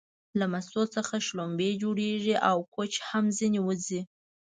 له مستو څخه شلومبې جوړيږي او کوچ هم ځنې وځي